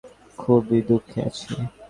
খুবই দুঃখে আছি!